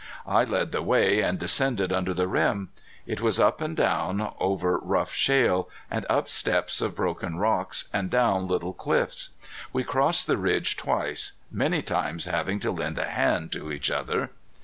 I led the way, and descended under the rim. It was up and down over rough shale, and up steps of broken rocks, and down little cliffs. We crossed the ridge twice, many times having to lend a hand to each other.